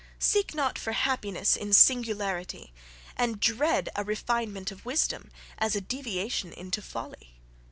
"Seek not for happiness in singularity; and dread a refinement of wisdom as a deviation into folly."